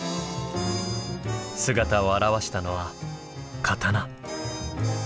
姿を現したのは刀。